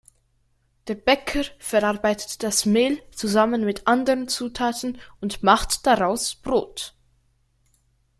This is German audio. Der Bäcker verarbeitet das Mehl zusammen mit anderen Zutaten und macht daraus Brot.